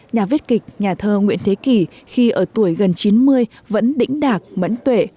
nhà viết kịch nhà thơ nguyễn thế kỳ khi ở tuổi gần chín mươi vẫn đỉnh đạc mẫn tuệ